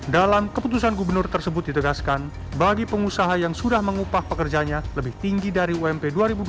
dalam keputusan gubernur tersebut ditegaskan bagi pengusaha yang sudah mengupah pekerjanya lebih tinggi dari ump dua ribu dua puluh